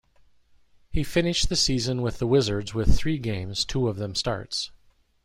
He finished the season with the Wizards with three games, two of them starts.